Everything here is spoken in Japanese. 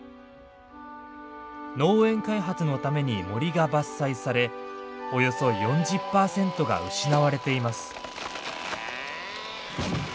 農園開発のために森が伐採されおよそ４０パーセントが失われています。